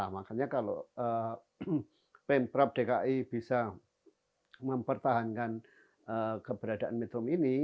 makanya kalau pemprov dki bisa mempertahankan keberadaan metro mini